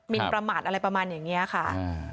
นประมาทอะไรประมาณอย่างนี้ค่ะ